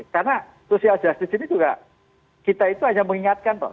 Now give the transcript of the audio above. karena social justice ini juga kita itu hanya mengingatkan